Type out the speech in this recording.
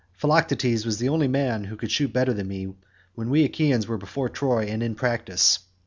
Philoctetes was the only man who could shoot better than I could when we Achaeans were before Troy and in practice.